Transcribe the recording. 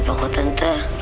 maka dia pada gitu